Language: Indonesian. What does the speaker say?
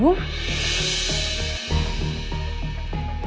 kok gak nyamu